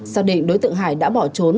xác định đối tượng hải đã bỏ trốn